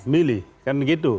memilih kan gitu